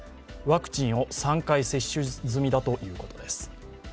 ワクチンを３回接種済みだということです。